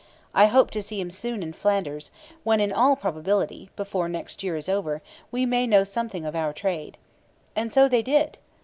I hope to see him soon in Flanders, when, in all probability, before next year is over, we may know something of our trade.' And so they did!